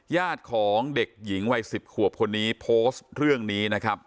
ญาติของเด็กหญิงวัย๑๐ขวบคนนี้โพสต์เรื่องนี้นะครับ